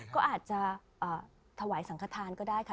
ก็อาจจะถวายสังขทานก็ได้ค่ะ